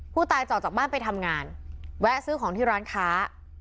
จะออกจากบ้านไปทำงานแวะซื้อของที่ร้านค้า